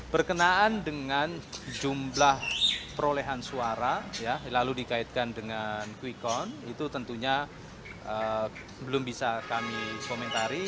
berkenaan dengan jumlah perolehan suara lalu dikaitkan dengan quick count itu tentunya belum bisa kami komentari